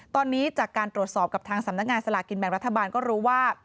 ตอนนี้จากการตรวจสอบกับทางสำนักงานสลากินแบ่งรัฐบาลก็รู้ว่า